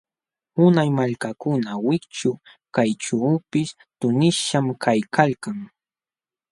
Unay malkakuna wikćhu kayćhuupis tuqnishqam kaykalkan.